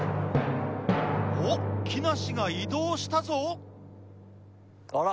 おっ木梨が移動したぞ。